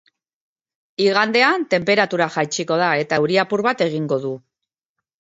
Igandean tenperatura jaitsiko da, eta euri apur bat egingo du.